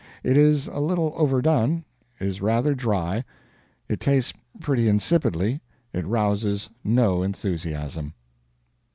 It is a little overdone, is rather dry, it tastes pretty insipidly, it rouses no enthusiasm.